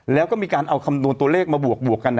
แล้วก็มีการเอาคำนวณตัวเลขมาบวกกัน